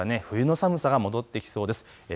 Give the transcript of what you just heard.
冬の寒さが戻ってきそうです。